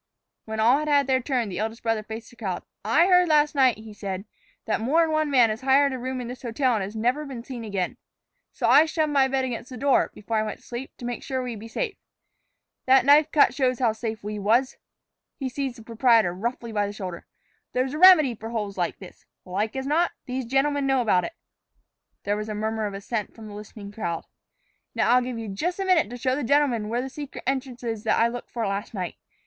When all had had their turn, the eldest brother faced the crowd. "I heard last night," he said, "that more 'n one man has hired a room in this hotel and never been seen again. So I shoved my bed against the door, before I went to sleep, to make sure we'd be safe. That knife cut shows how safe we was." He seized the proprietor roughly by the shoulder. "There's a remedy for holes like this. Like as not, these gentlemen know about it." There was a murmur of assent from the listening crowd. "Now I'll give you jus' a minute to show the gentlemen where that secret entrance is that I looked for last night.